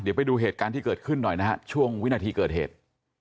เดี๋ยวไปดูเหตุการณ์ที่เกิดขึ้นหน่อยนะฮะช่วงวินาทีเกิดเหตุ